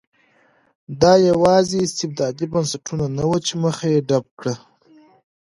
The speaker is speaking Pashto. دا یوازې استبدادي بنسټونه نه وو چې مخه یې ډپ کړه.